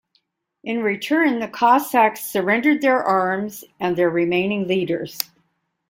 In return, the Cossacks surrendered their arms and their remaining leaders.